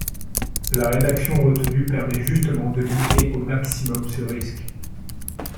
La rédaction retenue permet justement de limiter au maximum ce risque.